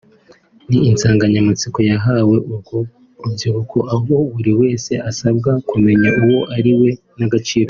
ni insanganyamatsiko yahawe urwo rubyiruko aho buri wese asabwa kumenya uwo ariwe n’agaciro ke